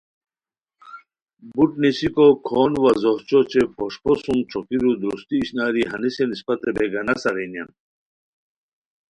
بوٹ نیسیکو کھون وا زوہچو اوچے پوݰپو سُم ݯوکیرو درستی اشناری ہنیسن اسپتے بیگانہ سارینیان